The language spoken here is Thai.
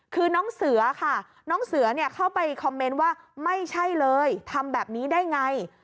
คือน้องเสือค่ะน้องเสือเนี่ยเข้าไปคอมเมนต์ว่าไม่ใช่เลยทำแบบนี้ได้ไง